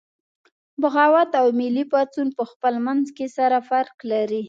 بغاوت او ملي پاڅون پخپل منځ کې سره فرق لري